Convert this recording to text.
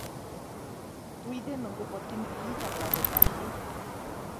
Dwy ddim yn gwybod dim byd am lefydd felly.